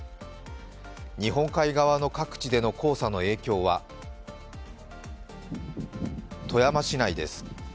日本海側の各地での黄砂の影響は富山市内です。